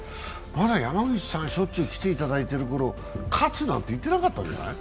まだ山口さんしょっちゅう来ていただいているころ喝なんて言ってなかったんじゃない？